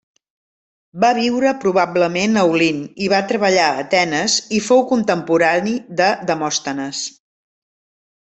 Va viure probablement a Olint i va treballar a Atenes i fou contemporani de Demòstenes.